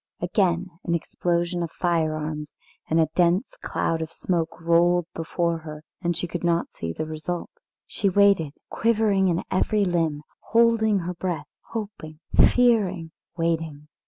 Again an explosion of firearms and a dense cloud of smoke rolled before her and she could not see the result. She waited, quivering in every limb, holding her breath hoping, fearing, waiting.